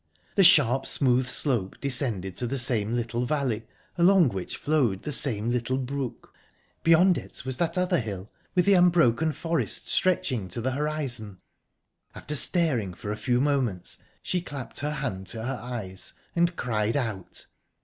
The sharp, smooth slope descended to the same little valley, along which flowed the same little brook; beyond it was that other hill, with the unbroken forest stretching to the horizon...after staring for a few moments, she clapped her hand to her eyes, and cried out.